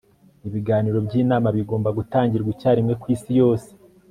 ibiganiro byinama bigomba gutangirwa icyarimwe kwisi yose